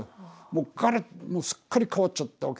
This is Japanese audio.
もうすっかり変わっちゃったわけでしょ。